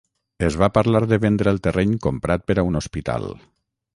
Es va parlar de vendre el terreny comprat per a un hospital.